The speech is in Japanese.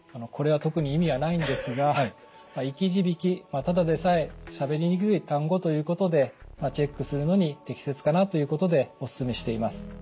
これは特に意味はないんですが「生き字引」ただでさえしゃべりにくい単語ということでチェックするのに適切かなということでお勧めしています。